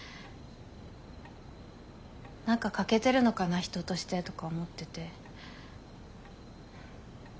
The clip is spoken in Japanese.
何か欠けてるのかな人としてとか思ってて。